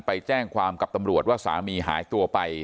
ไปแจ้งความกับตำรวจว่าสามีหายตัวไป